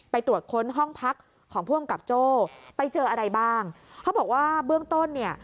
ตรวจค้นห้องพักของผู้อำกับโจ้ไปเจออะไรบ้างเขาบอกว่าเบื้องต้นเนี่ย